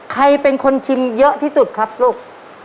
ใครเป็นคนชิมเยอะที่สุดครับลูก